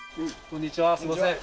こんにちはすいません